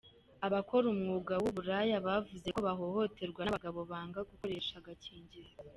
Abakora umwuga w’uburaya bavuze ko bahohoterwa n’abagabo banga gukoresha agakingirizo